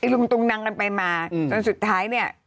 ลุงตุงนังกันไปมาจนสุดท้ายเนี่ย